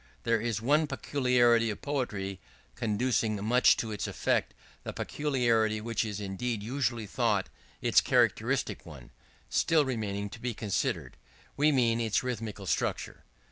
There is one peculiarity of poetry conducing much to its effect the peculiarity which is indeed usually thought its characteristic one still remaining to be considered: we mean its rhythmical structure.